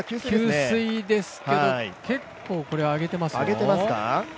給水ですけど、結構上げてますよ。